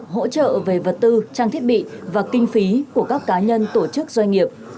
hỗ trợ về vật tư trang thiết bị và kinh phí của các cá nhân tổ chức doanh nghiệp